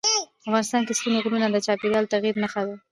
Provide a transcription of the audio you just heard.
افغانستان کې ستوني غرونه د چاپېریال د تغیر نښه ده.